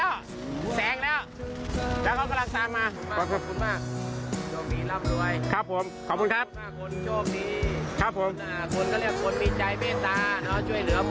ช่วงมีรำรวยขอบคุณมากคนโชคดีคนก็เรียกคนมีใจเบตตาแล้วช่วยเหลือมุม